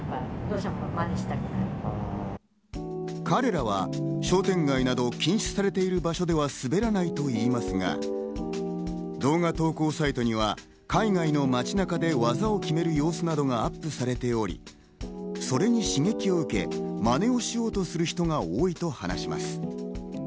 彼らは商店街など禁止されている場所では滑らないと言いますが、動画投稿サイトには海外の街中で技を決める様子などがアップされており、それに刺激を受け、まねをしようとする人が多いと話します。